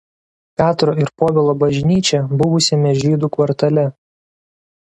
Petro ir Povilo bažnyčia buvusiame žydų kvartale.